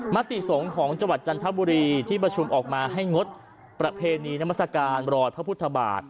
มติสงฆ์ของจังหวัดจันทบุรีที่ประชุมออกมาให้งดประเพณีนามัศกาลรอยพระพุทธบาท